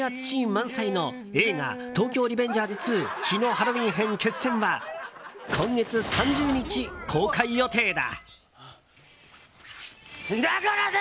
満載の映画「東京リベンジャーズ２血のハロウィン編‐決戦‐」は今月３０日公開予定だ。